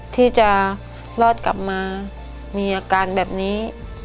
ที่จะรอดกลับมามีอาการแบบนี้